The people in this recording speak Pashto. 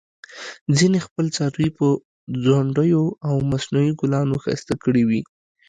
ځینې خپل څاروي په ځونډیو او مصنوعي ګلانو ښایسته کړي وي.